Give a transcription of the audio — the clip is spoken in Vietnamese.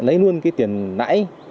lấy luôn cái tiền lãi